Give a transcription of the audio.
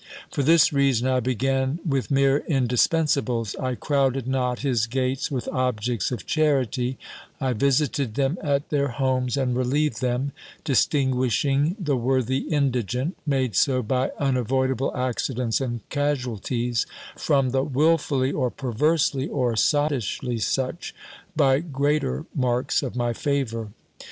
For this reason I began with mere indispensables. I crowded not his gates with objects of charity: I visited them at their homes, and relieved them; distinguishing the worthy indigent (made so by unavoidable accidents and casualties) from the wilfully, or perversely, or sottishly such, by greater marks of my favour.